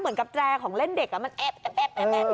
เหมือนกับแจของเล่นเด็กมันแอบอย่างนี้